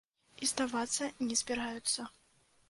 І здавацца не збіраюцца.